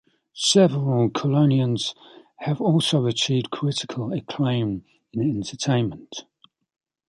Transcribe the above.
Several Cornellians have also achieved critical acclaim in entertainment.